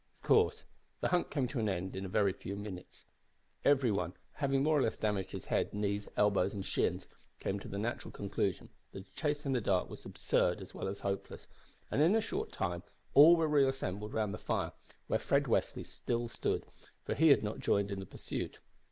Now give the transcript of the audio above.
Of course, the hunt came to an end in a very few minutes. Every one, having more or less damaged his head, knees, elbows, and shins, came to the natural conclusion that a chase in the dark was absurd as well as hopeless, and in a short time all were reassembled round the fire, where Fred Westly still stood, for he had not joined in the pursuit.